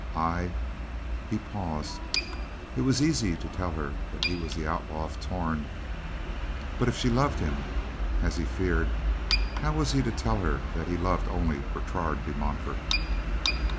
I—" He paused. It was easy to tell her that he was the Outlaw of Torn, but if she loved him, as he feared, how was he to tell her that he loved only Bertrade de Montfort?